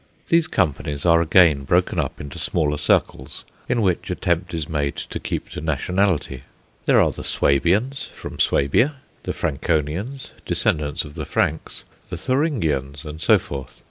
These companies are again broken up into smaller circles, in which attempt is made to keep to nationality. There are the Swabians, from Swabia; the Frankonians, descendants of the Franks; the Thuringians, and so forth.